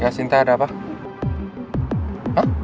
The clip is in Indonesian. ya sinta ada apa apa